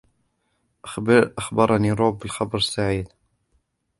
أخبرني روب بالخبر السعيد.